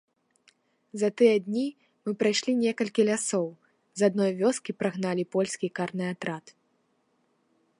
За тыя дні мы прайшлі некалькі лясоў, з адной вёскі прагналі польскі карны атрад.